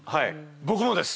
僕もです。